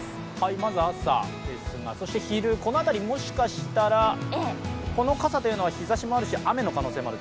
まず朝ですがそして昼、この辺りもしかしたら、この傘というのは、日ざしもあるし雨というのも？